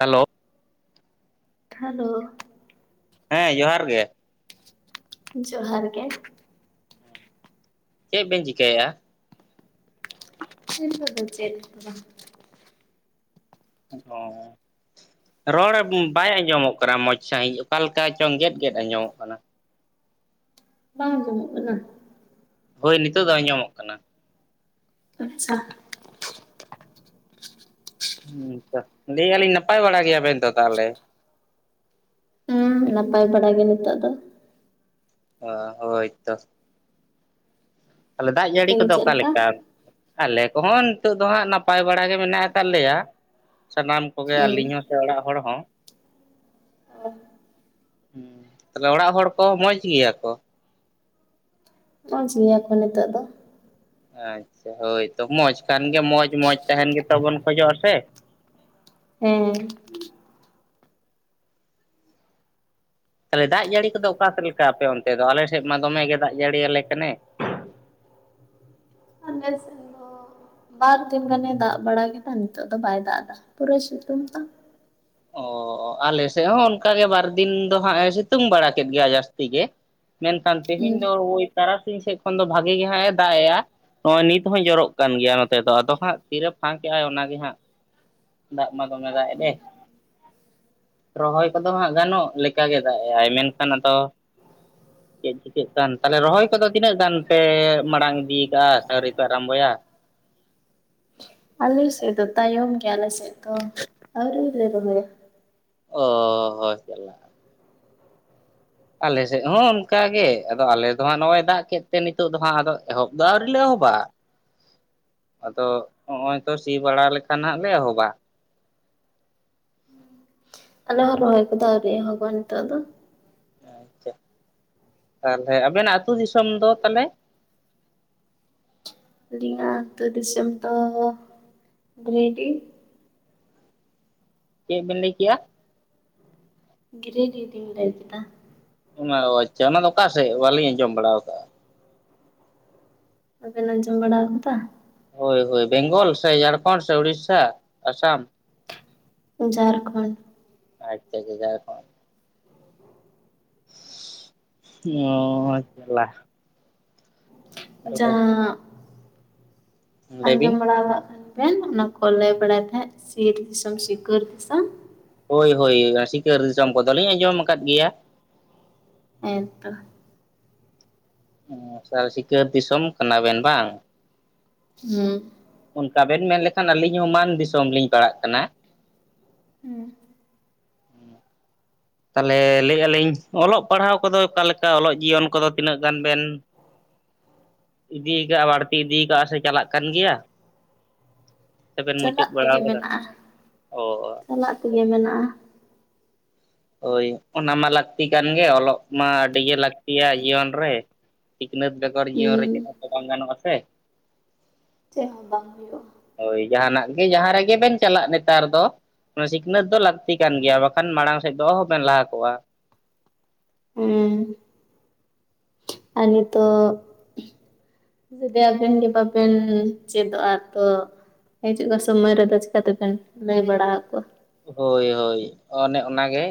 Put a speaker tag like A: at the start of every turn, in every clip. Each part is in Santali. A: ᱦᱮᱞᱚ
B: ᱦᱟᱞᱚ
A: ᱦᱮᱸ ᱡᱚᱦᱟᱨ ᱜᱮ᱾
B: ᱡᱚᱦᱟᱨ ᱜᱮ᱾
A: ᱪᱮᱫ ᱵᱮᱱ ᱪᱤᱠᱟᱹᱭᱮᱜᱼᱟ?
B: [unintelligible] ᱵᱟᱝ
A: [unintelligible] ᱨᱚᱲ ᱵᱟᱭ ᱟᱸᱡᱚᱢᱚᱜ ᱠᱟᱱᱟ ᱢᱚᱡᱽ ᱥᱟᱺᱦᱤᱡ ᱚᱠᱟ ᱞᱮᱠᱟ ᱪᱚᱝ ᱜᱮᱫ ᱜᱮᱫ ᱟᱸᱡᱚᱢᱚᱜ ᱠᱟᱱᱟ᱾
B: ᱵᱟᱝ ᱟᱸᱡᱚᱢᱚᱜ ᱠᱟᱱᱟ᱾
A: ᱦᱳᱭ ᱱᱤᱛᱳᱜ ᱫᱚ ᱟᱸᱡᱚᱢᱚᱜ ᱠᱟᱱᱟ᱾
B: ᱟᱪᱪᱷᱟ
A: ᱦᱮᱸ ᱛᱚ ᱞᱟᱹᱭ ᱟᱹᱞᱤᱧ ᱱᱟᱯᱟᱭ ᱵᱟᱲᱟ ᱜᱮᱭᱟᱵᱮᱱ ᱛᱚ ᱛᱟᱦᱚᱞᱮ
B: ᱦᱮᱸ ᱱᱟᱯᱟᱭ ᱵᱟᱲᱟ ᱜᱮ ᱱᱤᱛᱚᱜ ᱫᱚ᱾
A: ᱚ ᱦᱳᱭᱛᱚ ᱛᱟᱦᱚᱞᱮ ᱫᱟᱜ
B: ᱚᱱᱛᱮ
A: ᱡᱟᱹᱲᱤ
B: ᱜᱮ
A: ᱠᱚᱫᱚ
B: ᱪᱮᱫ
A: ᱚᱠᱟ ᱞᱮᱠᱟ ᱟᱞᱮ ᱠᱚᱦᱚᱸ ᱱᱤᱛᱚᱜ ᱫᱚ ᱦᱟᱸᱜ ᱱᱟᱯᱟᱭ ᱵᱟᱲᱟ ᱜᱮ ᱢᱮᱱᱟᱜᱼᱟᱠᱟᱜ ᱞᱮᱭᱟ ᱥᱟᱱᱟᱢ ᱠᱚᱜᱮ
B: ᱦᱩᱸ
A: ᱟᱹᱞᱤᱧ ᱦᱚᱸ ᱥᱮ ᱚᱲᱟᱜ ᱦᱚᱲ ᱦᱚᱸ᱾
B: ᱚ
A: ᱦᱮᱸ ᱛᱟᱦᱚᱞᱮ ᱚᱲᱟᱜ ᱦᱚᱲ ᱠᱚ ᱢᱚᱸᱡᱽ ᱜᱮᱭᱟ ᱠᱚ?
B: ᱢᱚᱡ ᱜᱮᱭᱟ ᱠᱚ ᱱᱤᱛᱚᱜ ᱫᱚ᱾
A: ᱟᱪᱪᱷᱟ ᱦᱳᱭᱛᱚ ᱢᱚᱸᱡᱽ ᱠᱷᱟᱱ ᱜᱮ ᱢᱚᱸᱡᱽ ᱢᱚᱸᱡᱽ ᱛᱟᱦᱮᱱ ᱜᱮ ᱛᱟ ᱵᱚᱱ ᱠᱷᱚᱡᱚᱜᱼᱟ ᱥᱮ
B: ᱦᱮᱸ
A: ᱛᱟᱦᱚᱞᱮ ᱫᱟᱜ ᱡᱟᱹᱲᱤ ᱠᱚᱫᱚ ᱚᱠᱟ ᱥᱮᱫ ᱞᱮᱠᱟ ᱟᱯᱮ ᱚᱱᱛᱮ ᱫᱚ ᱟᱞᱮ ᱥᱮᱫ ᱢᱟ ᱫᱚᱢᱮ ᱜᱮ ᱫᱟᱜ ᱡᱟᱹᱲᱤᱭᱟᱞᱮ ᱠᱟᱱᱮ
B: ᱟᱯᱮ ᱥᱮᱫ ᱦᱚ ᱵᱟᱨᱫᱤᱱ ᱜᱟᱱᱮ ᱫᱟᱜ ᱵᱟᱲᱟ ᱠᱮᱫᱟ ᱱᱤᱛᱳᱜ ᱫᱚ ᱵᱟᱭ ᱫᱟᱜ ᱮᱫᱟ ᱯᱩᱨᱟᱹᱭ ᱥᱤᱛᱩᱝ ᱫᱟ
A: ᱚ ᱟᱞᱮ ᱥᱮᱫ ᱦᱚᱸ ᱚᱱᱠᱟᱜᱮ ᱵᱟᱨ ᱫᱤᱱ ᱫᱚ ᱦᱟᱸᱜ ᱮ ᱥᱤᱛᱩᱝ ᱵᱟᱲᱟ ᱠᱮᱫ ᱜᱮᱭᱟ ᱡᱟᱹᱥᱛᱤ ᱜᱮ᱾ ᱢᱮᱱᱠᱷᱟᱱ ᱛᱮᱦᱮᱧ
B: ᱦᱩᱸ
A: ᱫᱚ ᱳᱭ ᱛᱟᱨᱟᱥᱤᱧ ᱥᱮᱫ ᱠᱷᱚᱱ ᱫᱚ ᱵᱷᱟᱜᱤ ᱜᱮᱦᱟᱸᱜ ᱮ ᱫᱟᱜ ᱮᱜᱼᱟ᱾ ᱱᱚᱜᱼᱚᱭ ᱱᱤᱛ ᱦᱚᱸᱭ ᱡᱚᱨᱚᱜ ᱠᱟᱱ ᱜᱮᱭᱟ ᱱᱚᱛᱮ ᱫᱚ ᱟᱫᱚ ᱦᱟᱸᱜ ᱛᱤᱨᱮ ᱯᱷᱟᱸᱠᱮᱜᱼ ᱟᱭ ᱚᱱᱟᱜ ᱜᱮ ᱦᱟᱸᱜ ᱫᱟᱜ ᱢᱟ ᱫᱚᱢᱮ ᱫᱟᱜ ᱮᱫᱟᱭ ᱨᱚᱦᱚᱭ ᱠᱚᱫᱚ ᱦᱟᱸᱜ ᱜᱟᱱᱚᱜ ᱞᱮᱠᱟᱜᱮ ᱫᱟᱜ ᱮᱜᱼᱟᱭ ᱢᱮᱱᱠᱷᱟᱱ ᱟᱫᱚ, ᱪᱮᱫ ᱪᱤᱠᱟᱹᱜ ᱠᱟᱱ ᱛᱟᱦᱚᱞᱮ ᱨᱚᱦᱚᱭ ᱠᱚᱫᱚ ᱛᱤᱱᱟᱹᱜ ᱜᱟᱱ ᱯᱮ ᱢᱟᱲᱟᱝ ᱤᱫᱤ ᱟᱠᱟ-ᱟ ᱥᱮ ᱟᱣᱨᱤ ᱯᱮ ᱟᱨᱟᱢᱵᱚᱭᱟ?
B: ᱟᱞᱮ ᱥᱮᱫ ᱫᱚ ᱛᱟᱭᱚᱢ ᱜᱮ ᱟᱞᱮ ᱫᱚ ᱟᱣᱨᱤ ᱞᱮ ᱨᱚᱦᱚᱭᱟ᱾
A: ᱚᱻ ᱦᱚ ᱪᱟᱞᱟᱜ ᱟᱞᱮ ᱥᱮᱫ ᱦᱚᱸ ᱚᱱᱠᱟᱜ ᱜᱮ ᱟᱫᱚ ᱟᱞᱮᱫ ᱫᱚ ᱦᱟᱜ ᱱᱚᱜᱼᱚᱭ ᱫᱟᱜ ᱠᱮᱫ ᱛᱮ ᱱᱤᱛᱚᱜ ᱫᱚ ᱦᱟᱜ ᱟᱫᱚ ᱮᱦᱚᱵ ᱫᱚ ᱟᱹᱣᱨᱤ ᱞᱮ ᱮᱦᱚᱵᱟ ᱾ [unintelligible] ᱟᱫᱚ ᱦᱚᱸᱜᱼᱚᱭ ᱛᱚ ᱥᱤ ᱵᱟᱲᱟ ᱞᱮᱠᱷᱟᱱ ᱦᱟᱜ ᱞᱮ ᱮᱦᱚᱵᱟ ᱾ [unintelligible]
B: ᱟᱞᱮ ᱦᱚᱸ ᱨᱚᱦᱚᱭ ᱠᱚᱫᱚ ᱟᱹᱣᱨᱤ ᱮᱦᱚᱵᱚ-ᱟ ᱱᱤᱛᱚᱜ ᱫᱚ᱾
A: [inaudible] ᱛᱟᱦᱚᱞᱮ ᱟᱵᱮᱱᱟᱜ ᱟᱹᱛᱩ ᱫᱤᱥᱚᱢ ᱫᱚ ᱛᱟᱦᱚᱞᱮ?
B: ᱟᱹᱞᱤᱧᱟᱜ ᱟᱛᱳ ᱫᱤᱥᱚᱢ ᱫᱚ [inaudible] ᱜᱤᱨᱤᱰᱤᱷ ᱾
A: ᱪᱮᱫ ᱵᱮᱱ ᱞᱟᱹᱭ ᱠᱮᱜ-ᱟ?
B: ᱜᱤᱨᱤᱰᱤᱷ ᱞᱤᱧ ᱞᱟᱹᱭ ᱠᱮᱫᱟ ᱾
A: ᱚ ᱟᱪᱪᱷᱟ ᱚᱱᱟ ᱫᱚ ᱚᱠᱟ ᱥᱮᱫ ᱵᱟᱞᱤᱧ ᱟᱸᱡᱚᱢ ᱵᱟᱲᱟ ᱟᱠᱟᱜᱼᱟ᱾
B: ᱵᱟᱵᱮᱱ ᱟᱸᱡᱚᱢ ᱵᱟᱲᱟ ᱟᱠᱟᱫᱟ?
A: ᱦᱚᱭ ᱦᱚᱭ ᱵᱮᱝᱜᱚᱞ ᱥᱮ ᱡᱷᱟᱲᱠᱷᱚᱸᱰ ᱥᱮ ᱳᱲᱤᱥᱥᱟ, ᱟᱥᱟᱢ?
B: ᱡᱷᱟᱨᱠᱷᱚᱱᱰ ᱾
A: ᱟᱪᱪᱟ ᱡᱷᱟᱲᱠᱷᱚᱸᱰ᱾ ᱚ ᱡᱟᱞᱟ ᱾
B: ᱡᱟᱦᱟᱸ [unintelligible]
A: ᱞᱟᱹᱭ ᱵᱤᱱ
B: ᱟᱸᱡᱚᱢ ᱵᱟᱲᱟ ᱠᱟᱜ [unintelligible] ᱚᱱᱟ ᱠᱚ ᱞᱟᱹᱭ ᱵᱟᱲᱟᱭ ᱛᱟᱦᱮᱸᱫ ᱥᱤᱨ ᱫᱤᱥᱚᱢ ᱥᱤᱠᱟᱹᱨ ᱫᱤᱥᱚᱢ ᱾
A: ᱦᱚᱭ ᱦᱚᱭ ᱥᱤᱠᱟᱹᱨ ᱫᱤᱥᱚᱢ ᱠᱚᱫᱚ ᱞᱤᱧ ᱟᱸᱡᱚᱢ ᱟᱠᱟᱫ ᱜᱮᱭᱟ ᱾
B: ᱦᱮᱸ ᱛᱚ ᱾
A: [unintelligible] ᱥᱤᱠᱟᱹᱨ ᱫᱤᱥᱚᱢ ᱠᱟᱱᱟ ᱵᱮᱱ ᱵᱟᱝ?
B: ᱦᱮᱸ
A: ᱚᱱᱠᱟ ᱵᱮᱱ ᱢᱮᱱ ᱞᱮᱠᱷᱟᱱ ᱟᱹᱞᱤᱧ ᱦᱚᱸ ᱢᱟᱱ ᱫᱤᱥᱚᱢ ᱞᱤᱧ ᱯᱟᱲᱟᱜ ᱠᱟᱱᱟ ᱾
B: ᱦᱮᱸ
A: ᱛᱟᱦᱚᱞᱮ ᱞᱟᱹᱭᱮᱫᱼᱟ ᱞᱤᱧ ᱚᱞᱚᱜ ᱯᱟᱲᱦᱟᱣ ᱠᱚᱫᱚ ᱚᱠᱟ ᱞᱮᱠᱟ ᱚᱞᱚᱜ ᱡᱤᱭᱚᱱ ᱠᱚᱫᱚ ᱛᱤᱱᱟᱹᱜ ᱜᱟᱱ ᱵᱮᱱ? [inaudible] ᱤᱫᱤ ᱠᱟᱜᱼᱟ ᱵᱟᱹᱲᱛᱤ ᱤᱫᱤᱠᱟᱜᱼᱟ ᱥᱮ ᱪᱟᱞᱟᱜ ᱠᱟᱱ ᱜᱮᱭᱟ? ᱥᱮᱵᱮᱱ ᱢᱩᱪᱟᱹᱫ
B: ᱪᱟᱞᱟᱜ
A: ᱵᱟᱲᱟ
B: ᱛᱮᱜᱮ
A: ᱠᱟᱫᱟ
B: ᱢᱮᱱᱟᱜᱼᱟ
A: ᱚᱻ?
B: ᱪᱟᱞᱟᱜ ᱛᱮᱜᱮ ᱢᱮᱱᱟᱜᱼᱟ ᱾
A: ᱦᱚᱭ ᱚᱱᱟ ᱢᱟ ᱞᱟᱹᱠᱛᱤ ᱠᱟᱱ ᱜᱮ ᱚᱞᱚᱜ ᱢᱟ ᱟᱹᱰᱤᱜᱮ ᱞᱟᱹᱠᱛᱤᱭᱟ ᱡᱤᱭᱚᱱ ᱨᱮ ᱾ ᱥᱤᱠᱷᱱᱟᱹᱛ ᱵᱮᱜᱚᱨ ᱡᱤᱭᱚᱱ ᱨᱮ
B: ᱦᱩᱸ
A: ᱪᱮᱫ ᱦᱚ ᱛᱚ ᱵᱟᱝ ᱜᱟᱱᱚᱜ-ᱟ ᱥᱮ ᱾
B: ᱪᱮᱫ ᱦᱚᱸ ᱵᱟᱝ ᱦᱩᱭᱩᱜᱼᱟ ᱾
A: ᱦᱚᱭ ᱡᱟᱦᱟᱱᱟᱜ ᱜᱮ ᱡᱟᱦᱟᱸ ᱨᱮᱜᱮ ᱵᱮᱱ ᱪᱟᱞᱟᱜ ᱱᱮᱛᱟᱨ ᱫᱚ ᱥᱤᱠᱷᱱᱟᱹᱛ ᱫᱚ ᱞᱟᱹᱠᱛᱤ ᱠᱟᱱ ᱜᱮᱭᱟ ᱵᱟᱠᱷᱟᱱ ᱢᱟᱲᱟᱝ ᱥᱮᱫ ᱫᱚ ᱚᱦᱚᱵᱮᱱ ᱞᱟᱦᱟ ᱠᱚᱜᱼᱟ ᱾
B: ᱦᱮᱸ [unintelligible] ᱟᱨ ᱱᱤᱛᱚᱜ ᱡᱩᱫᱤ ᱟᱵᱮᱱ ᱜᱮ ᱵᱟᱵᱮᱱ ᱪᱮᱫᱚᱜᱼᱟ ᱛᱚ ᱦᱤᱡᱩᱜᱼᱟ ᱥᱚᱢᱚᱭ ᱨᱮᱫᱚ ᱪᱤᱠᱟᱹ ᱛᱮᱵᱮᱱ ᱞᱟᱹᱭ ᱵᱟᱲᱟ ᱟᱠᱚᱣᱟ ᱾
A: ᱦᱚᱭ ᱦᱚᱭ ᱚᱱᱮ ᱚᱱᱟᱜᱮ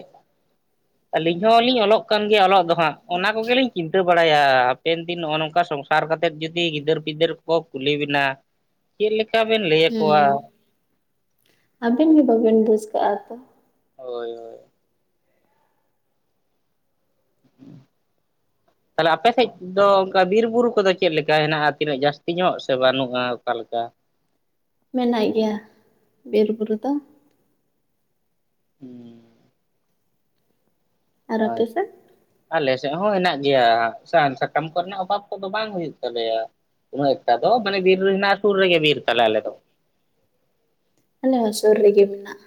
A: ᱾ ᱟᱹᱞᱤᱧ ᱦᱚᱸ ᱞᱤᱧ ᱚᱞᱚᱜ ᱠᱟᱱ ᱜᱮᱭᱟ ᱚᱞᱚᱜ ᱫᱚ ᱦᱟᱜ ᱾ ᱚᱱᱟ ᱠᱚᱜᱮ ᱞᱤᱧ ᱪᱤᱱᱛᱟᱹ ᱵᱟᱲᱟᱭᱟ ᱦᱟᱯᱮᱱ ᱫᱤᱱ ᱱᱚᱜᱼᱚ ᱱᱚᱝᱠᱟ ᱥᱚᱢᱥᱟ ᱥᱟᱨ ᱠᱟᱛᱮᱫ ᱡᱩᱫᱤ ᱜᱤᱫᱟᱹᱨ ᱯᱤᱫᱟᱹᱨ ᱠᱚ ᱠᱩᱞᱤ ᱵᱮᱱᱟ ᱪᱮᱫ ᱞᱮᱠᱟ ᱵᱮᱱ ᱞᱟᱹᱭ ᱟᱠᱚᱣᱟ ᱾
B: ᱟᱹᱵᱤᱱ ᱜᱮ ᱵᱟᱹᱵᱤᱱ ᱵᱩᱡᱽ ᱠᱟᱜᱼᱟ ᱛᱚ ᱾
A: ᱦᱚᱭ ᱦᱚᱭ ᱾ [unintelligible] ᱛᱟᱦᱚᱞᱮ ᱟᱯᱮ ᱥᱮᱫ ᱫᱚ ᱚᱱᱠᱟ ᱵᱤᱨ-ᱵᱩᱨᱩ ᱠᱚᱫᱚ ᱪᱮᱫ ᱞᱮᱠᱟ ᱦᱮᱱᱟᱜᱼᱟ ᱛᱤᱱᱟᱹᱜ ᱡᱟᱹᱥᱛᱤ ᱧᱚᱜ ᱥᱮ ᱵᱟᱹᱱᱩᱜᱼᱟ ᱚᱠᱟᱞᱠᱟ ᱾
B: ᱢᱮᱱᱟᱜ ᱜᱮᱭᱟ [inaudible] ᱵᱤᱨ-ᱵᱩᱨᱩ ᱫᱚ ᱾
A: ᱦᱩᱸ ᱾
B: ᱟᱨ ᱟᱯᱮ
A: ᱟᱪᱪᱷ
B: ᱥᱮᱫ
A: ᱟᱞᱮ ᱥᱮᱫ ᱦᱚᱸ ᱦᱮᱱᱟᱜ ᱜᱮᱭᱟ ᱥᱟᱦᱟᱱ ᱥᱟᱠᱟᱢ ᱠᱚᱨᱮᱱᱟᱜ ᱚᱵᱷᱟᱵᱽ ᱠᱚᱫᱚ ᱵᱟᱝ ᱦᱩᱭᱩᱜ ᱛᱟᱞᱮᱭᱟ ᱾ ᱩᱱᱟᱹᱜ ᱮᱠᱴᱟ ᱫᱚ ᱢᱟᱱᱮ ᱵᱤᱨ ᱨᱮᱱᱟᱜ ᱥᱩᱨ ᱨᱮᱜᱮ ᱵᱤᱨ ᱛᱟᱞᱮ ᱟᱞᱮ ᱫᱚ ᱾
B: ᱟᱞᱮ ᱦᱚᱸ ᱥᱩᱨ ᱨᱮᱜᱮ ᱢᱮᱱᱟᱜᱼᱟ ᱾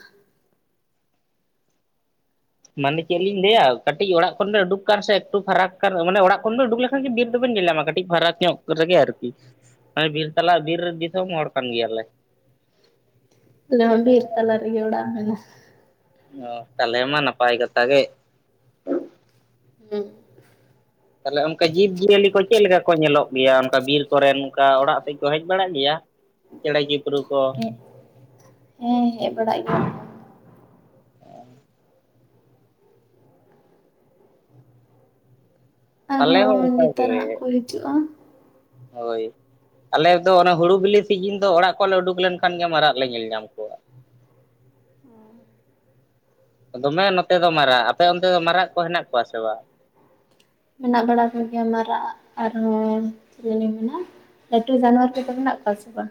A: ᱢᱟᱱᱮ ᱪᱮᱫ ᱞᱤᱧ ᱞᱟᱹᱭᱟ ᱠᱟᱹᱴᱤᱡ ᱚᱲᱟᱜ ᱠᱷᱚᱱ ᱵᱮᱱ ᱩᱰᱩᱠ ᱡᱟᱱ ᱥᱮ ᱮᱠᱴᱩ ᱯᱷᱟᱨᱟᱠ ᱠᱟᱱ ᱢᱟᱱᱮ ᱚᱲᱟᱜ ᱠᱷᱚᱱ ᱫᱚ ᱩᱰᱩᱠ ᱞᱮ ᱜᱮ ᱵᱤᱨ ᱫᱚᱵᱤᱱ ᱧᱮᱞ ᱧᱟᱢᱟ ᱠᱟᱹᱴᱤᱡ ᱯᱷᱟᱨᱟᱠ ᱧᱚᱜ ᱨᱮᱜᱮ ᱟᱨᱠᱤ᱾ ᱦᱮᱸ ᱵᱤᱨ ᱛᱟᱞᱟ ᱵᱤᱨ ᱨᱮ ᱫᱤᱥᱚᱢ ᱦᱚᱲ ᱠᱟᱱ ᱜᱮᱭᱟᱞᱮ᱾
B: ᱟᱞᱮ ᱦᱚᱸ ᱵᱤᱨ ᱛᱟᱞᱟ ᱨᱮᱜᱮ ᱚᱲᱟᱜ ᱢᱮᱱᱟᱜᱼᱟ᱾
A: ᱚ ᱛᱟᱞᱮ ᱢᱟ ᱱᱟᱯᱟᱭ ᱠᱟᱛᱷᱟ ᱜᱮ᱾
B: ᱦᱮᱸ
A: ᱛᱟᱦᱚᱞᱮ ᱚᱱᱠᱟ ᱡᱤᱵᱽᱼᱡᱤᱭᱟᱹᱞᱤ ᱠᱚ ᱪᱮᱫ ᱞᱮᱠᱟ ᱠᱚ ᱧᱮᱞᱚᱜ ᱜᱮᱭᱟ? ᱚᱱᱠᱟ ᱵᱤᱨ ᱠᱚᱨᱮ ᱚᱝᱠᱟ ᱚᱲᱟᱜ ᱥᱮᱫ ᱠᱚ ᱦᱮᱡ ᱵᱟᱲᱟᱜ ᱜᱮᱭᱟ? ᱪᱮᱬᱮ ᱪᱩᱯᱨᱩ ᱠᱚ
B: ᱦᱮᱸ ᱦᱮᱸ ᱦᱮᱡ ᱵᱟᱲᱟᱜ
A: ᱟᱞᱮ ᱦᱚᱸ
B: ᱟᱨᱦᱚᱸ
A: ᱚᱱᱠᱟ
B: ᱱᱮᱛᱟᱨ
A: ᱜᱮ
B: ᱦᱟᱸᱜ ᱠᱚ ᱦᱤᱡᱩᱜᱼᱟ
A: ᱦᱳᱭ ᱟᱞᱮᱫ ᱫᱚ ᱚᱱᱮ ᱦᱩᱲᱩ ᱵᱤᱞᱤ ᱥᱤᱡᱤᱱ ᱫᱚ ᱚᱲᱟᱜ ᱠᱚᱡ ᱞᱮ ᱩᱰᱩᱠ ᱞᱮᱱᱠᱷᱟᱱ ᱜᱮ ᱢᱟᱨᱟᱫ ᱞᱮ ᱧᱮᱞ ᱧᱟᱢ ᱠᱚᱣᱟ᱾ ᱫᱚᱢᱮᱜ ᱱᱚᱛᱮ ᱫᱚ ᱢᱟᱨᱟᱜ ᱟᱯᱮ ᱚᱱᱛᱮ ᱫᱚ ᱢᱟᱨᱟᱜ ᱠᱚ ᱦᱮᱱᱟᱜ ᱠᱚᱣᱟ ᱥᱮ ᱵᱟᱝ?
B: ᱢᱮᱱᱟᱜ ᱵᱟᱲᱟ ᱠᱚᱜᱮᱭᱟ ᱢᱟᱨᱟᱜ ᱟᱨ ᱦᱚᱸᱪᱮᱱ ᱢᱮᱱᱟᱜᱼᱟ? ᱞᱟᱹᱴᱩ ᱡᱟᱱᱣᱟᱨ ᱠᱚᱫᱚ ᱢᱮᱱᱟᱜ ᱠᱚᱣᱟ ᱥᱮ ᱵᱟᱝ?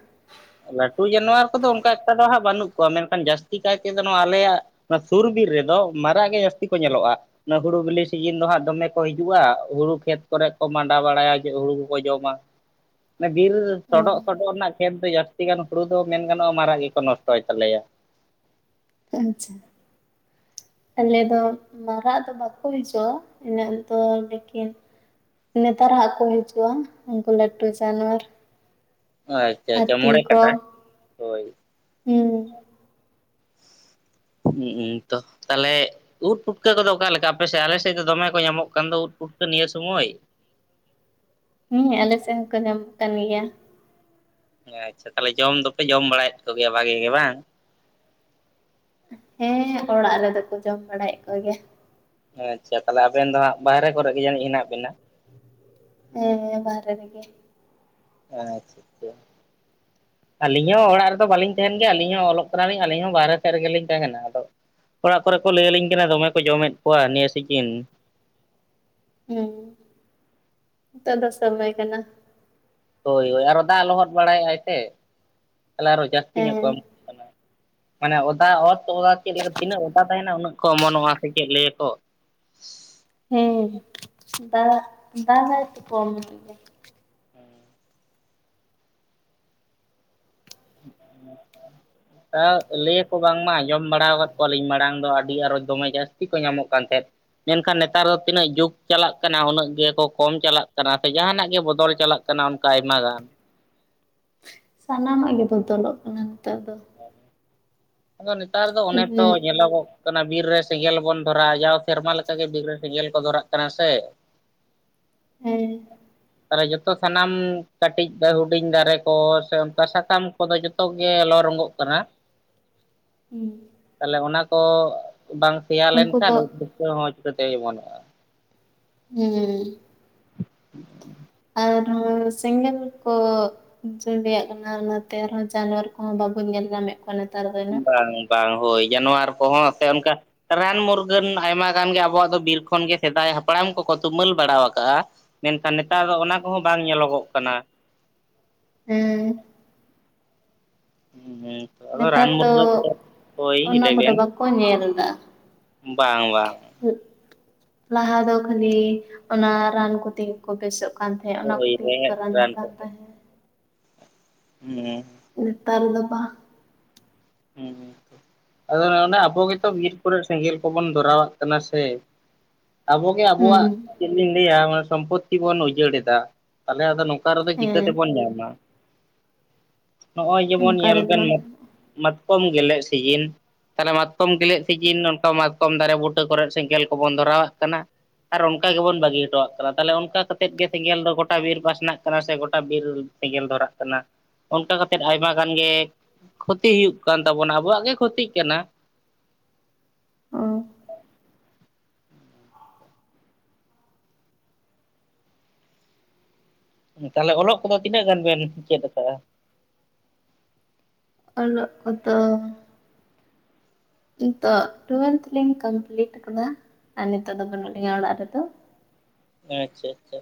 A: ᱞᱟᱹᱴᱩ ᱡᱟᱱᱣᱟᱨ ᱠᱚᱫᱚ ᱚᱱᱠᱟ ᱮᱠᱴᱟ ᱫᱚ ᱦᱟᱸᱜ ᱵᱟᱹᱱᱩᱜ ᱠᱚᱣᱟ ᱢᱮᱱᱠᱷᱟᱱ ᱡᱟᱹᱥᱛᱤ ᱠᱟᱭ ᱛᱮᱫᱚ ᱱᱚᱶᱟ ᱟᱞᱮᱭᱟᱜ᱾ ᱚᱱᱟ ᱥᱩᱨ ᱵᱤᱨ ᱨᱮᱫᱚ ᱢᱟᱨᱟᱜ ᱜᱮ ᱡᱟᱹᱥᱛᱤ ᱠᱚ ᱧᱮᱞᱚᱜᱼᱟ᱾ ᱚᱱᱟ ᱦᱩᱲᱩ ᱵᱤᱞᱤ ᱥᱤᱡᱤᱱ ᱫᱚ ᱦᱟᱸᱜ ᱫᱚᱢᱮ ᱠᱚ ᱦᱤᱡᱩᱜᱼᱟ ᱦᱩᱲᱩ ᱠᱷᱮᱛ ᱠᱚᱨᱮ ᱠᱚ ᱢᱟᱸᱰᱟ ᱵᱟᱲᱟᱭᱟ, ᱦᱩᱲᱩ ᱠᱚᱠᱚ ᱡᱚᱢᱟ᱾ [inaudible] ᱢᱟᱱᱮ ᱵᱤᱨ ᱥᱚᱰᱚᱜ ᱥᱚᱰᱚᱜ ᱨᱮᱱᱟᱜ ᱠᱷᱮᱛ ᱫᱚ ᱡᱟᱹᱥᱛᱤ ᱜᱟᱱ ᱦᱩᱲᱩ ᱫᱚ ᱢᱮᱱ ᱜᱟᱱᱚᱜᱼᱟ ᱢᱟᱨᱟᱜ ᱜᱮᱠᱚ ᱱᱚᱥᱴᱚᱭ ᱛᱟᱞᱮᱭᱟ᱾
B: ᱦᱮᱸ ᱟᱪᱪᱷᱟ ᱟᱞᱮ ᱫᱚ ᱢᱟᱨᱟᱜ ᱫᱚ ᱵᱟᱠᱚ [unintelligible] ᱤᱱᱟᱹᱜ ᱫᱚ ᱞᱮᱠᱤᱱ ᱱᱮᱛᱟᱨ ᱦᱟᱜ ᱠᱚ ᱦᱤᱡᱩᱜᱼᱟ ᱩᱱᱠᱩ ᱞᱟᱹᱴᱩ ᱡᱟᱱᱣᱟᱨ
A: ᱟᱪᱪᱷᱟ ᱟᱪᱪᱷᱟ
B: ᱦᱟᱹᱛᱤ
A: ᱢᱚᱲᱮ
B: ᱠᱚ
A: ᱠᱟᱴᱟ ᱦᱳᱭ
B: ᱦᱩᱸ
A: ᱦᱮᱸ ᱩᱸ ᱛᱚ ᱛᱟᱦᱞᱮ ᱩᱫ ᱯᱩᱴᱠᱟᱹ ᱠᱚᱫᱚ ᱚᱠᱟ ᱞᱮᱠᱟ ᱟᱯᱮᱥᱮᱫ ᱟᱞᱮ ᱥᱮᱫ ᱫᱚ ᱫᱚᱢᱮ ᱠᱚ ᱧᱟᱢᱚᱜ ᱠᱟᱱ ᱫᱚ ᱩᱫ ᱯᱩᱴᱠᱟᱹ ᱱᱤᱭᱟᱹ ᱥᱚᱢᱚᱭ
B: ᱦᱮᱸ ᱟᱞᱮ ᱥᱮᱫ ᱦᱚᱸᱠᱚ ᱧᱟᱢᱚᱜ ᱠᱟᱱ ᱜᱮᱭᱟ᱾
A: ᱟᱪᱷᱟ ᱛᱟᱦᱚᱞᱮ ᱡᱚᱢ ᱫᱚᱯᱮ ᱡᱚᱢ ᱵᱟᱲᱟᱭᱮᱫ ᱠᱚᱜᱮᱭᱟ ᱵᱷᱟᱜᱤ ᱜᱮ ᱵᱟᱝ?
B: ᱦᱮᱸ ᱚᱲᱟᱜ ᱨᱮᱫᱚ ᱠᱚ ᱡᱚᱢ ᱵᱟᱲᱟᱭᱮᱫ ᱠ ᱚᱜᱮᱭᱟ᱾
A: ᱦᱮᱸ ᱟᱪᱪᱷᱟ ᱛᱟᱦᱚᱞᱮ ᱟᱵᱮᱱ ᱫᱚ ᱦᱟᱸᱜ ᱵᱟᱦᱮᱨᱮ ᱠᱚᱨᱮ ᱜᱮ ᱡᱟᱹᱱᱤᱡ ᱦᱮᱱᱟᱜ ᱵᱮᱤᱱᱟ?
B: ᱦᱮᱸ ᱦᱮᱸ ᱵᱟᱨᱦᱮ ᱨᱮᱜᱮ᱾
A: ᱟᱪᱪᱷᱟ [unintelligible] ᱟᱹᱞᱤᱧ ᱦᱚᱸ ᱚᱲᱟᱜ ᱨᱮᱫᱚ ᱵᱟᱹᱞᱤᱧ ᱛᱟᱦᱮᱱ ᱜᱮᱭᱟ ᱟᱹᱞᱤᱧ ᱦᱚᱸ ᱚᱞᱚᱜ ᱠᱟᱱᱟᱞᱤᱧ ᱟᱹᱞᱤᱧ ᱦᱚᱸ ᱵᱟᱦᱨᱮ ᱥᱮᱫ ᱨᱮᱜᱮ ᱞᱤᱧ ᱛᱟᱦᱮᱱᱟ ᱟᱫᱚ ᱚᱲᱟᱜ ᱠᱚᱨᱮ ᱠᱚ ᱞᱟᱹᱭ ᱟᱹᱞᱤᱧ ᱠᱟᱱᱟ ᱫᱚᱢᱮ ᱠᱚ ᱡᱚᱢᱮᱫ ᱠᱚᱣᱟ ᱱᱤᱭᱟᱹ ᱥᱤᱡᱤᱱ
B: ᱦᱮᱸ ᱫᱚ ᱥᱚᱢᱚᱭ ᱠᱟᱱᱟ᱾
A: ᱦᱳᱭ ᱦᱳᱭ ᱟᱨᱚ ᱫᱟᱜ ᱞᱚᱦᱚᱫ ᱵᱟᱲᱟᱭᱮᱫᱼᱟᱭ ᱥᱮ ᱛᱟᱦᱚᱞᱮ ᱟᱨᱚ ᱡᱟᱹᱥᱛᱤ ᱧᱚᱜ ᱠᱚ
B: ᱦᱮᱸ
A: ᱮᱢ ᱠᱟᱱᱟ᱾ ᱢᱟᱱᱮ ᱚᱫᱟ ᱚᱛ ᱪᱮᱫ ᱞᱮᱠᱟ ᱛᱤᱱᱟᱹᱜ ᱚᱫᱟ ᱛᱟᱦᱮᱱᱟ ᱩᱱᱟᱹᱜ ᱠᱚ ᱚᱢᱚᱱᱚᱜᱼᱟ᱾ ᱥᱮ ᱪᱮᱫ ᱞᱟᱹᱭᱟ ᱠᱚ?
B: ᱦᱮᱸ ᱫᱟᱜ ᱫᱟᱜ ᱜᱟᱭ ᱛᱚ ᱠᱚᱢ ᱜᱮ
A: [unintelligible] ᱞᱟᱹᱭᱟᱠᱚ ᱵᱟᱝᱢᱟ ᱟᱸᱡᱚᱢ ᱵᱟᱲᱟ ᱟᱠᱟᱫ ᱠᱚᱣᱟᱞᱤᱧ ᱢᱟᱲᱟᱝ ᱫᱚ ᱟᱹᱰᱤ ᱟᱨᱚ ᱫᱚᱢᱮ ᱡᱟᱹᱥᱛᱤ ᱠᱚ ᱧᱟᱢᱚᱜ ᱠᱟᱱ ᱛᱟᱦᱮᱸᱫ᱾ ᱢᱮᱱᱠᱷᱟᱱ ᱱᱮᱛᱟᱨ ᱛᱤᱱᱟᱹᱜ ᱡᱩᱜᱽ ᱪᱟᱞᱟᱜ ᱠᱟᱱᱟ ᱩᱱᱟᱹᱜ ᱜᱮᱠᱚ ᱠᱚᱢ ᱪᱟᱞᱟᱜ ᱠᱟᱱᱟ ᱥᱮ ᱡᱟᱦᱟᱱᱟᱜ ᱜᱮ ᱵᱚᱫᱚᱞ ᱪᱟᱞᱟᱜ ᱠᱟᱱᱟ ᱚᱱᱠᱟ ᱟᱭᱢᱟ ᱜᱟᱱ
B: ᱥᱟᱱᱟᱢᱟᱜ ᱜᱮ ᱵᱚᱫᱚᱞᱚᱜ ᱠᱟᱱᱟ ᱱᱮᱛᱟᱨ ᱫᱚ
A: ᱟᱫᱚ ᱱᱮᱛᱟᱨ ᱫᱚ ᱚᱱᱮ ᱛᱚ ᱧᱮᱞᱚᱜᱚᱜ ᱚᱱᱠᱟ ᱱᱟᱜ ᱵᱤᱨ ᱨᱮ ᱥᱮᱸᱜᱮᱞ ᱵᱚᱱ ᱫᱷᱚᱨᱟᱼᱟ ᱡᱟᱣ ᱥᱮᱨᱢᱟ ᱞᱮᱠᱟᱜᱮ ᱵᱤᱨ ᱨᱮ ᱥᱮᱸᱜᱮᱞ ᱠᱚ ᱫᱷᱚᱨᱟᱜ ᱠᱟᱱᱟ ᱥᱮ [inaudible]
B: ᱦᱮᱸ
A: ᱛᱟᱦᱚᱞᱮ ᱡᱚᱛᱚ ᱥᱟᱱᱟᱢ ᱠᱟᱹᱴᱤᱡ ᱦᱩᱰᱤᱧ ᱫᱟᱨᱮ ᱠᱚ ᱥᱮ ᱚᱱᱠᱟ ᱥᱟᱠᱟᱢ ᱠᱚᱫᱚ ᱡᱚᱛᱚᱜ ᱜᱮ ᱞᱚ ᱨᱚᱝᱜᱚᱜ ᱾ ᱠᱟᱱᱟ
B: ᱦᱩᱸ
A: ᱛᱟᱦᱚᱞᱮ ᱚᱱᱟ ᱠᱚ ᱵᱟᱝ ᱥᱮᱭᱟ
B: ᱩᱱᱠᱩ
A: ᱞᱮᱱᱠᱷᱟᱱ
B: ᱫᱚ
A: ᱩᱫ ᱞᱩᱴᱠᱟ ᱦᱚᱸ ᱪᱤᱠᱟᱹᱛᱮ ᱚᱢᱚᱱᱚᱜᱼᱟ᱾
B: ᱦᱩᱸ
A: [unintelligible]
B: ᱟᱨ ᱛᱟᱦᱞᱮ ᱥᱮᱸᱜᱮᱞ ᱠᱚ ᱡᱩᱸᱰᱤᱭᱟᱜ ᱠᱟᱱᱟ ᱚᱱᱟᱛᱮ ᱟᱨᱚᱸ ᱡᱟᱱᱣᱟᱨ ᱠᱚᱦᱚᱸ ᱵᱟᱵᱚᱱ ᱧᱮᱞ ᱧᱟᱢᱮᱫ ᱠᱚᱣᱟ ᱠᱟᱱᱟ ᱱᱮᱛᱟᱨ ᱫᱚ ᱱᱟᱜ,
A: ᱵᱟᱝ ᱵᱟᱝ ᱦᱳᱭ ᱡᱟᱱᱣᱟᱨ ᱠᱚᱦᱚᱸ ᱥᱮ ᱚᱱᱠᱟ ᱨᱟᱱ ᱢᱩᱨᱜᱟᱹᱱ ᱟᱭᱢᱟ ᱜᱟᱱ ᱜᱮ ᱟᱵᱚᱣᱟᱜ ᱫᱚ ᱵᱤᱨ ᱠᱷᱚᱱ ᱜᱮ ᱥᱮᱫᱟᱭ ᱦᱟᱯᱲᱟᱢ ᱠᱚᱠᱚ ᱛᱩᱢᱟᱹᱞ ᱵᱟᱲᱟᱣ ᱠᱟᱜᱼᱟ ᱢᱮᱱᱠᱷᱟᱱ ᱱᱮᱛᱟᱨ ᱫᱚ ᱚᱱᱟ ᱠᱚᱦᱚᱸ ᱵᱟᱝ ᱧᱮᱞᱚᱜᱚᱜ ᱠᱟᱱᱟ
B: ᱦᱩᱸ
A: ᱦᱩᱸ ᱟᱫᱚ ᱨᱟᱱ
B: ᱱᱮᱛᱟᱨ
A: ᱢᱩᱨᱜᱟᱹᱱ ᱫᱚ ᱦᱳᱭ ᱞᱟᱹᱭ ᱵᱤᱱ
B: ᱠᱚ ᱧᱮᱞᱫᱟ
A: ᱵᱟᱝ ᱵᱟᱝ
B: ᱞᱟᱦᱟ ᱫᱚ ᱠᱷᱟᱹᱞᱤ ᱚᱱᱟ ᱨᱟᱱ ᱠᱚᱛᱮ ᱜᱮ ᱠᱚ ᱵᱮᱥᱚᱜ ᱠᱟᱱ ᱛᱟᱦᱮᱸᱜ ᱚᱱᱟ
A: ᱦᱳᱭ
B: ᱠᱚᱛᱮᱜᱮ ᱠᱚ
A: ᱨᱮᱦᱮᱫ
B: ᱨᱟᱱᱚᱜ
A: ᱨᱟᱱ
B: ᱠᱟᱱ
A: ᱠᱚᱜᱮ
B: ᱛᱟᱦᱮᱸᱫ
A: ᱦᱩᱸ
B: ᱱᱮᱛᱟᱨ ᱫᱚ ᱵᱟᱝ
A: ᱦᱩᱸ ᱛᱚ ᱟᱫᱚ ᱚᱱᱟ ᱚᱱᱟ ᱟᱵᱚ ᱜᱮᱛᱚ ᱵᱤᱨ ᱠᱚᱨᱮ ᱥᱮᱸᱜᱮᱞ ᱠᱚᱵᱚᱱ ᱫᱷᱚᱨᱟᱣᱟᱜ ᱠᱟᱱᱟ ᱥᱮ ᱟᱵᱚᱜᱮ ᱟᱵᱚᱣᱟᱜ
B: ᱦᱩᱸ
A: ᱪᱮᱫ ᱞᱤᱧ ᱞᱟᱹᱭᱟ ᱢᱟᱱᱮ ᱥᱚᱢᱯᱚᱛᱛᱤ ᱵᱚᱱ ᱩᱡᱟᱹᱲᱮᱫᱟ ᱛᱟᱦᱞᱮ ᱟᱫᱚ ᱱᱚᱝ ᱱᱚᱝᱠᱟ ᱨᱮᱫᱚ ᱪᱤᱠᱟᱹ
B: ᱦᱮᱸ
A: ᱛᱮᱵᱚᱱ ᱧᱟᱢᱟ ᱱᱚᱜᱼᱚᱭ ᱡᱮᱢᱚᱱ
B: ᱚᱱᱠᱟ
A: ᱧᱮᱞ
B: ᱨᱮᱫᱚ
A: ᱵᱮᱱ
B: ᱵᱟᱝ
A: ᱢᱟᱛᱠᱚᱢ ᱜᱮᱞᱮᱜ ᱥᱤᱡᱤᱱ ᱛᱟᱦᱞᱮ ᱢᱟᱛᱠᱚᱢ ᱜᱮᱞᱮᱜ ᱥᱤᱡᱤᱱ ᱱᱚᱝᱠᱟ ᱢᱟᱛᱠᱚᱢ ᱫᱟᱨᱮ ᱵᱩᱴᱟᱹ ᱠᱚᱨᱮᱫ ᱥᱮᱸᱜᱮᱞ ᱠᱚᱵᱚᱱ ᱫᱷᱚᱨᱟᱣᱟᱜ ᱠᱟᱱᱟ ᱟᱨ ᱚᱱᱠᱟ ᱜᱮᱵᱚᱱ ᱵᱟᱹᱜᱤ ᱦᱚᱴᱚᱣᱟᱜ ᱠᱟᱱᱟ, ᱛᱟᱞᱦᱮ ᱚᱱᱠᱟ ᱠᱟᱛᱮᱫ ᱜᱮ ᱥᱮᱸᱜᱮᱞ ᱫᱚ ᱜᱚᱴᱟ ᱵᱤᱨ ᱯᱟᱥᱱᱟᱜ ᱠᱟᱱᱟ ᱥᱮ ᱜᱚᱴᱟ ᱵᱤᱨ ᱥᱮᱸᱜᱮᱞ ᱫᱷᱚᱨᱟᱜ ᱠᱟᱱᱟ ᱚᱱᱠᱟ ᱠᱟ ᱠᱟᱛᱮᱫ ᱟᱭᱢᱟ ᱜᱟᱱ ᱜᱮ ᱠᱷᱚᱛᱤ ᱦᱩᱭᱩᱜ ᱠᱟᱱ ᱛᱟᱵᱚᱱᱟ ᱟᱵᱚᱣᱟᱜ ᱜᱮ ᱠᱷᱚᱛᱤ ᱠᱟᱱᱟ
B: ᱩᱸ
A: ᱛᱟᱞᱦᱮ ᱚᱞᱚᱜ ᱠᱚᱫᱚ ᱛᱤᱱᱟᱹᱜ ᱜᱟᱱ ᱵᱮᱱ ᱪᱮᱫ ᱟᱠᱟᱜᱼᱟ
B: ᱚᱞᱚᱜ ᱠᱚᱫᱚ ᱱᱤᱛᱚᱜ ᱴᱩᱭᱮᱞᱛᱷ ᱞᱤᱧ ᱠᱚᱢᱯᱤᱞᱴ ᱟᱠᱟᱫᱟ ᱟᱨ ᱱᱤᱛᱚᱜ ᱫᱚ ᱵᱟᱹᱱᱩᱜ ᱞᱤᱧᱟ ᱚᱲᱟᱜ ᱨᱮᱫᱚ
A: ᱟᱪᱪᱷᱟ ᱟᱪᱪᱷᱟ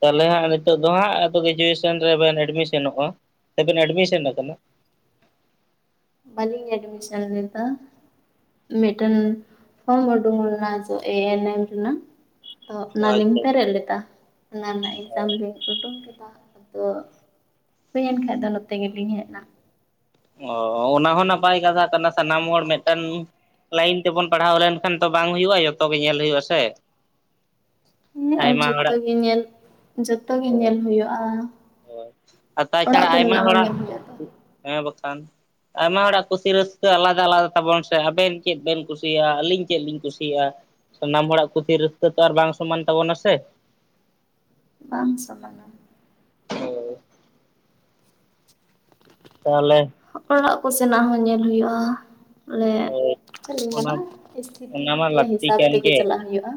A: ᱛᱟᱦᱞᱮ ᱦᱟᱸᱜ ᱱᱤᱛᱚᱜ ᱫᱚ ᱦᱟᱸᱜ ᱟᱫᱚ ᱜᱮᱡᱩᱭᱮᱥᱮᱱ ᱨᱮᱵᱮᱱ ᱮᱰᱢᱤᱥᱮᱱᱚᱜᱼᱟ ᱥᱮᱵᱤᱱ ᱮᱰᱢᱤᱥᱮᱱ ᱟᱠᱟᱱᱟ
B: ᱵᱟᱞᱤᱧ ᱮᱰᱢᱤᱥᱮᱱ ᱞᱮᱫᱟ ᱢᱤᱫᱴᱮᱱ ᱯᱷᱚᱨᱢ ᱩᱰᱩᱝ ᱞᱮᱱᱟ ᱡᱮ [unintelligible] ᱨᱮᱱᱟᱜ ᱟᱫᱚ ᱚᱱᱟᱞᱤᱧ
A: ᱟᱪᱪᱷᱟ
B: ᱯᱮᱨᱮᱡ ᱞᱮᱫᱟ ᱚᱱᱟ ᱨᱮᱱᱟᱜ ᱮᱠᱡᱟᱢ ᱞᱤᱧ ᱩᱰᱩᱝ ᱠᱮᱫᱟ ᱟᱫᱚ ᱦᱩᱭ ᱮᱱᱟ ᱟᱫᱚ ᱱᱚᱛᱮ ᱜᱮᱞᱤᱧ ᱦᱮᱡ ᱮᱱᱟ
A: ᱚᱻ ᱚᱱᱟ ᱦᱚᱸ ᱱᱟᱯᱟᱭ ᱠᱟᱛᱷᱟ ᱠᱟᱱᱟ ᱥᱟᱱᱟᱢ ᱦᱚᱲ ᱢᱮᱫᱴᱮᱱ ᱞᱟᱭᱤᱱ ᱛᱮᱵᱚᱱ ᱯᱟᱲᱦᱟᱣ ᱞᱮᱱᱠᱷᱟᱱ ᱛᱚ ᱵᱟᱝ ᱦᱩᱭᱩᱜᱼᱟ ᱡᱚᱛᱚ ᱜᱮ ᱧᱮᱞ ᱦᱩᱭᱩᱜᱼᱟ ᱥᱮ
B: ᱦᱮᱸ ᱟᱨ
A: ᱟᱭᱢᱟ
B: ᱡᱚᱛᱚ
A: ᱦᱚᱲᱟᱜ
B: ᱜᱮ ᱧᱮᱞ ᱡᱚᱛᱚ ᱜᱮ
A: ᱦᱳᱭ
B: ᱧᱮᱞ ᱦᱩᱭᱩᱜᱼᱟ
A: ᱦᱳᱭ ᱟᱨ
B: ᱚᱲᱟᱜ
A: ᱛᱟᱪᱷᱟᱲᱟ ᱟᱭᱢᱟ
B: ᱠᱚᱨᱮᱱᱟᱜ ᱦᱚᱸ
A: ᱦᱚᱲᱟᱜ
B: ᱧᱮᱞ ᱦᱩᱭᱩᱜᱼᱟ ᱛᱚ
A: ᱦᱮᱸ ᱵᱟᱠᱷᱟᱱ ᱟᱭᱢᱟ ᱦᱚᱲᱟᱜ ᱠᱩᱥᱤ ᱨᱟᱹᱥᱠᱟᱹ ᱟᱞᱟᱫᱟ ᱟᱞᱟᱫᱟ ᱛᱟᱵᱚᱱ ᱥᱮ ᱟᱵᱮᱱ ᱪᱮᱫ ᱵᱮᱱ ᱠᱩᱥᱤᱭᱟᱜᱼᱟ ᱟᱹᱞᱤᱧ ᱪᱮᱫ ᱞᱤᱧ ᱠᱩᱥᱤᱭᱟᱜᱼᱟ ᱥᱟᱱᱟᱢ ᱦᱚᱲᱟᱜ ᱠᱩᱥᱤ ᱨᱟᱹᱥᱠᱟᱹ ᱛᱚ ᱟᱨ ᱵᱟᱝ ᱥᱚᱢᱟᱱ ᱛᱟᱵᱚᱱᱟ ᱥᱮ
B: ᱵᱟᱝ ᱥᱚᱢᱟᱱᱟ
A: ᱦᱳᱭ ᱛᱟᱦᱞᱮ
B: ᱚᱲᱟᱜ ᱠᱚ ᱥᱮᱱᱟᱜ ᱦᱚᱸ ᱧᱮᱞ ᱦᱩᱭᱩᱜᱼᱟ ᱵᱚᱞᱮ
A: ᱦᱳᱭ
B: ᱪᱮᱫ ᱠᱤᱧ
A: ᱚᱱᱟ
B: ᱢᱮᱱᱟ ᱥᱛᱷᱤᱛᱤ
A: ᱚᱱᱟ ᱢᱟ
B: ᱜᱮ
A: ᱞᱟᱹᱠᱛᱤ
B: ᱦᱤᱥᱟᱵ
A: ᱠᱟᱱ
B: ᱛᱮᱜᱮ
A: ᱜᱮ
B: ᱪᱟᱞᱟᱜ ᱦᱩᱭᱩᱜᱼᱟ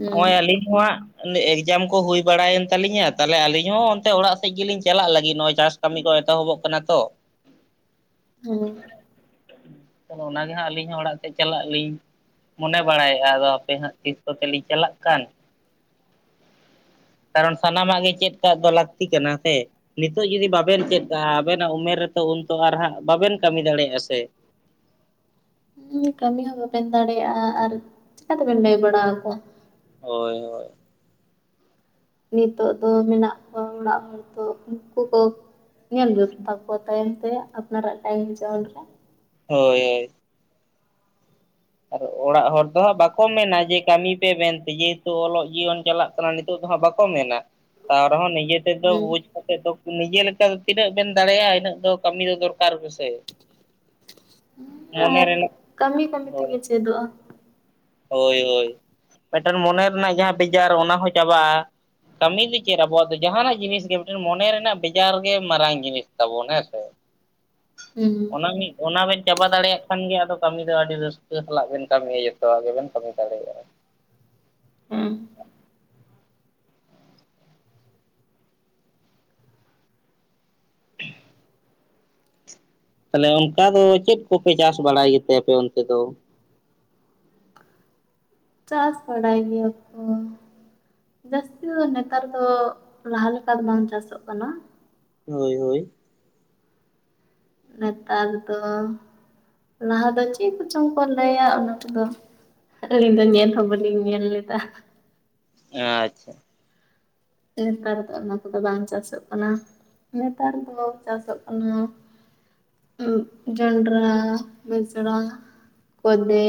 B: ᱦᱮᱸ
A: ᱱᱚᱜᱼᱚᱭ ᱟᱹᱞᱤᱧ ᱦᱚᱸ ᱦᱟᱜ [unintelligible] ᱮᱠᱡᱟᱢ ᱠᱚ ᱦᱩᱭ ᱵᱟᱲᱟᱭᱮᱱ ᱛᱟᱞᱤᱧᱟ ᱛᱟᱞᱦᱮ ᱟᱹᱞᱤᱧ ᱦᱚᱸ ᱚᱱᱛᱮ ᱚᱲᱟᱜ ᱥᱮᱫ ᱜᱮᱞᱤᱧ ᱪᱟᱞᱟᱜ ᱞᱟᱹᱜᱤᱫ ᱱᱚᱜᱼᱚᱭ ᱪᱟᱥ ᱠᱟᱹᱢᱤ ᱠᱚ ᱮᱛᱚᱦᱚᱵᱚᱜ ᱠᱟᱱᱟ ᱛᱚ
B: ᱦᱮᱸ
A: ᱟᱫᱚ ᱚᱱᱟᱜᱮ ᱦᱟᱸᱜ ᱟᱹᱞᱤᱧ ᱦᱚᱸ ᱚᱲᱟᱜ ᱥᱮᱫ ᱪᱟᱞᱟᱜ ᱞᱤᱧ ᱢᱚᱱᱮ ᱵᱟᱲᱟᱭᱮᱫᱼᱟ ᱟᱫᱚ ᱦᱟᱯᱮ ᱦᱟᱸᱜ ᱛᱤᱥ ᱠᱚᱛᱮᱞᱤᱧ ᱪᱟᱞᱟᱜ ᱠᱟᱱ [inaudible] ᱠᱟᱨᱚᱱ ᱥᱟᱱᱟᱢᱟᱜ ᱜᱮ ᱪᱮᱫ ᱠᱟᱜ ᱫᱚ ᱞᱟᱹᱠᱛᱤ ᱠᱟᱱᱟ ᱥᱮ ᱱᱤᱛᱚᱜ ᱡᱩᱫᱤ ᱵᱟᱵᱮᱱ ᱪᱮᱫ ᱠᱟᱜᱼᱟ ᱟᱵᱮᱱᱟᱜ ᱩᱢᱮᱨ ᱨᱮᱛᱚ ᱩᱱ ᱛᱚ ᱟᱨ ᱦᱟᱸᱜ ᱵᱟᱵᱮᱱ ᱠᱟᱹᱢᱤ ᱫᱟᱲᱮᱭᱟᱜᱼᱟ ᱥᱮ
B: ᱠᱟᱹᱢᱤ ᱦᱚᱸ ᱵᱟᱵᱮᱱ ᱫᱟᱲᱮᱭᱟᱜᱼᱟ ᱟᱨ ᱪᱤᱠᱟ ᱛᱮᱵᱮᱱ ᱞᱟᱹᱭ ᱵᱟᱲᱟ ᱟᱠᱚᱣᱟ
A: ᱦᱳᱭ ᱦᱳᱭ
B: ᱱᱤᱛᱚᱜ ᱫᱚ ᱢᱮᱱᱟᱜ ᱠᱚᱣᱟ ᱚᱲᱟᱜ ᱦᱚᱲ ᱫᱚ ᱩᱱᱠᱩ ᱠᱚ ᱧᱮᱞ ᱢᱮ ᱛᱟᱠᱚᱣᱟ ᱛᱟᱭᱚᱢ ᱛᱮ ᱟᱯᱱᱟᱨᱟᱜ ᱴᱟᱭᱤᱢ ᱡᱳᱱ ᱨᱮ
A: ᱦᱳᱭ ᱦᱳᱭ ᱟᱨ ᱚᱲᱟᱜ ᱦᱚᱲ ᱫᱚ ᱦᱟᱸᱜ ᱵᱟᱠᱚ ᱢᱮᱱᱟ ᱡᱮ ᱠᱟᱢᱤ ᱯᱮ ᱢᱮᱱᱛᱮ ᱡᱮᱦᱮᱛᱩ ᱚᱞᱚᱜ ᱡᱤᱭᱚᱱ ᱪᱟᱞᱟᱜ ᱠᱟᱱᱟ ᱱᱤᱛᱚᱜ ᱫᱚ ᱦᱟᱸᱜ ᱵᱟᱠᱚ ᱢᱮᱱᱟ ᱛᱟᱣ ᱨᱮᱦᱚᱸ ᱱᱤᱡᱮ ᱛᱮᱫ ᱫᱚ
B: ᱦᱩᱸ
A: ᱵᱩᱡᱽ ᱠᱟᱛᱮᱫ ᱫᱚ ᱱᱤᱡᱮ ᱞᱮᱠᱟ ᱫᱚ ᱛᱤᱱᱟᱹᱜ ᱵᱮᱱ ᱫᱟᱲᱮᱭᱟᱜᱼᱟ ᱤᱱᱟᱹᱜ ᱫᱚ ᱠᱟᱹᱢᱤ ᱫᱚ ᱫᱚᱨᱠᱟᱨ ᱜᱮᱥᱮ [inaudible] ᱢᱚᱱᱮ
B: ᱟᱨ
A: ᱨᱮᱱᱟᱜ
B: ᱠᱟᱹᱢᱤ ᱠᱟᱹᱢᱤ
A: ᱦᱳᱭ
B: ᱛᱮᱜᱮ ᱪᱮᱫᱚᱜᱼᱟ
A: ᱦᱳᱭ ᱦᱳᱭ ᱢᱮᱴᱟᱱ ᱢᱚᱱᱮ ᱨᱮᱱᱟᱜ ᱡᱟᱦᱟᱸ ᱵᱮᱡᱟᱨ ᱚᱱᱟ ᱦᱚᱸ ᱪᱟᱵᱟᱜᱼᱟ ᱠᱟᱹᱢᱤ ᱫᱚ ᱪᱮᱫ ᱟᱵᱚᱣᱟᱜ ᱡᱟᱦᱟᱱᱟᱜ ᱡᱤᱱᱤᱥ ᱜᱮ ᱢᱤᱫᱴᱮᱱ ᱢᱚᱱᱮ ᱨᱮᱱᱟᱜ ᱵᱮᱡᱟᱨ ᱜᱮ ᱢᱟᱨᱟᱝ ᱡᱤᱱᱤᱥ ᱛᱟᱵᱚᱱ ᱦᱮᱸ ᱥᱮ [inaudible]
B: ᱦᱩᱸ ᱦᱩᱸ
A: ᱚᱱᱟ ᱢᱤᱫ ᱚᱱᱟ ᱵᱮᱱ ᱪᱟᱵᱟ ᱫᱟᱲᱮᱭᱟᱜ ᱠᱷᱟᱱ ᱜᱮ ᱟᱫᱚ ᱠᱟᱹᱢᱤ ᱫᱚ ᱟᱹᱰᱤ ᱨᱟᱹᱥᱠᱟᱹ ᱥᱟᱞᱟᱜ ᱵᱮᱱ ᱠᱟᱹᱢᱤᱭᱟ ᱡᱚᱛᱚᱯᱟᱜ ᱜᱮᱵᱮᱱ ᱠᱟᱹᱢᱤ ᱫᱟᱲᱮᱭᱟᱜᱼᱟ
B: ᱦᱮᱸ
A: ᱛᱟᱦᱚᱞᱮ ᱚᱱᱠᱟ ᱫᱚ ᱪᱮᱫ ᱠᱚᱯᱮ ᱪᱟᱥ ᱵᱟᱲᱟᱭ ᱜᱮᱛᱮ ᱟᱯᱮ ᱚᱱᱛᱮ ᱫᱚ
B: ᱪᱟᱥ ᱵᱟᱰᱟᱭ ᱜᱮᱭᱟ ᱠᱚ ᱡᱟᱹᱥᱛᱤ ᱫᱚ ᱱᱮᱛᱟᱨ ᱫᱚ ᱞᱟᱦᱟ ᱞᱮᱠᱟ ᱫᱚ ᱵᱟᱝ ᱪᱟᱥᱚᱜ ᱠᱟᱱᱟ
A: ᱦᱳᱭ ᱦᱳᱭ
B: ᱱᱮᱛᱟᱨ ᱫᱚ ᱞᱟᱦᱟ ᱫᱚ ᱪᱮᱫ ᱠᱚᱪᱚᱝ ᱠᱚ ᱞᱟᱹᱭᱟ ᱚᱱᱟ ᱠᱚᱫᱚ ᱾ ᱟᱹᱞᱤᱧ ᱫᱚ ᱧᱮᱞ ᱦᱚ ᱵᱟᱞᱤᱧ ᱧᱮᱞ ᱞᱮᱫᱟ ᱾
A: ᱟᱪᱪᱷᱟ ᱾
B: ᱱᱮᱛᱟᱨ ᱫᱚ ᱚᱱᱟ ᱠᱚᱫᱚ ᱵᱟᱝ ᱪᱟᱥᱚᱜ ᱠᱟᱱᱟ ᱾ ᱱᱮᱛᱟᱨ ᱫᱚ ᱪᱟᱥᱚᱜ ᱠᱟᱱᱟ ᱡᱚᱱᱰᱨᱟ ᱢᱮᱥᱨᱟ ᱠᱚᱫᱷᱮ